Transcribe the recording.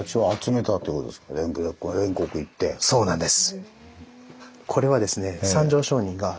そうなんです。